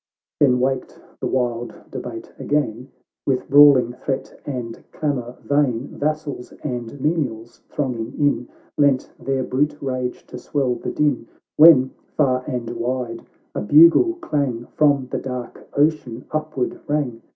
— XXI Then waked the wild debate again, With brawling threat and clamour vain. Vassals and menials, thronging in, Lent their brute rage to swell the din ; When, far and wide, a bugle clang From the dark ocean upward rang.